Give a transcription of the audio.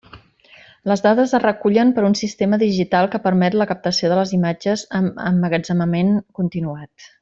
Les dades es recullen per un sistema digital que permet la captació de les imatges, amb emmagatzemament continuat.